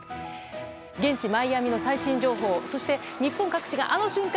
現地マイアミの最新情報そして、日本各地があの瞬間